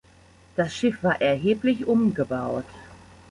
Das Schiff war erheblich umgebaut.